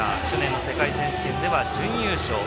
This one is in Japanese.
去年の世界選手権では準優勝。